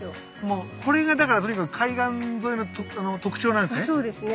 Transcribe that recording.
これがだからとにかく海岸沿いの特徴なんですね。